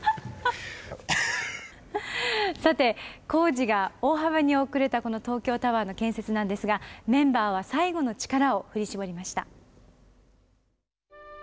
さて工事が大幅に遅れたこの東京タワーの建設なんですがメンバーは最後の力を振り絞りました。